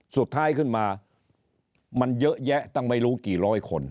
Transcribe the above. สุดท้ายขึ้นมามันเยอะแยะตั้งไม่รู้กี่ร้อยคน